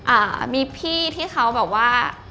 อ่ามีพี่ที่เขาแบบว่า